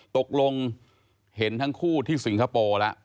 ตกลงเห็นทั้งคู่ที่สิงคโปร์แล้ว